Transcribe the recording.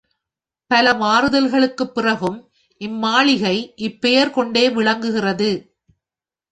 பல மாறுதல்களுக்குப் பிறகும், இம் மாளிகை இப்பெயர் கொண்டே விளங்குகிறது.